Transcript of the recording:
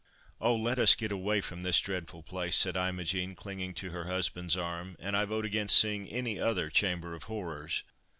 "Oh! let us get away from this dreadful place!" said Imogen, clinging to her husband's arm, "and I vote against seeing any other Chamber of Horrors.